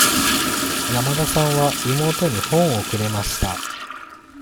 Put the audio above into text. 山田さんは妹に本をくれました。